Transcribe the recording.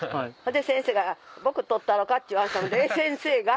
先生が「僕捕ったろか」って言われたんで「先生が？」